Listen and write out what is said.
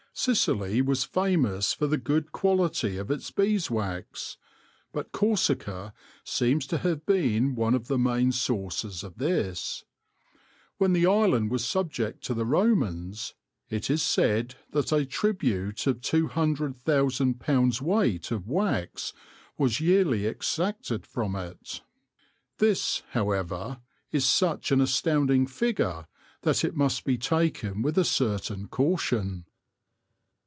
Sicily was famous for the good quality of its beeswax, but Corsica seems to have been one of the main sources of this. When the island was subject to the Romans, it is said that a tribute of two hundred thousand pounds' weight of wax was yearly exacted from it. This, however, is such an astounc^ng figure that it must be taken with a certain cautifc.